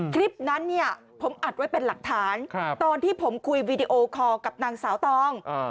คลิปนั้นเนี่ยผมอัดไว้เป็นหลักฐานตอนที่ผมคุยวีดีโอคอร์กับนางสาวตอง